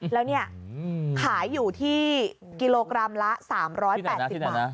แล้วเนี่ยขายอยู่ที่กิโลกรัมละ๓๘๐บาท